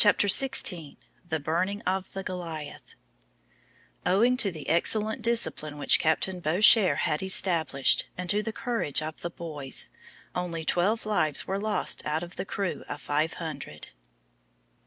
HENRY VAN DYKE THE BURNING OF THE "GOLIATH" (Owing to the excellent discipline which Captain Bourchier had established, and to the courage of the boys, only twelve lives were lost out of the crew of five hundred).